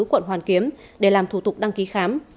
quận hoàn kiếm để làm thủ tục đăng ký khám